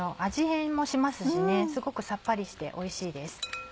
変もしますしすごくさっぱりしておいしいです。